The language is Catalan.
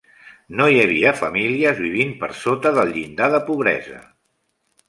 No hi havia famílies vivint per sota del llindar de pobresa.